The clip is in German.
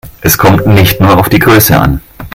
Es kommt nicht nur auf die Größe an.